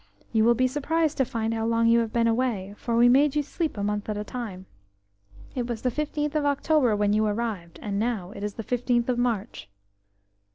You will be surprised to find how long you have been away, for we made you sleep a month at a time. It was the fifteenth of October when you arrived, and now it is the fifteenth of March."